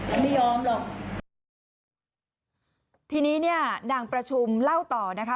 มันไม่ยอมหรอกทีนี้เนี่ยนางประชุมเล่าต่อนะคะ